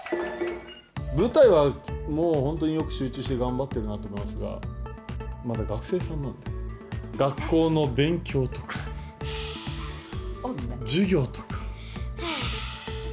舞台はもう本当によく集中して頑張ってるなと思いますが、まだ学生さんなんで、はぁー。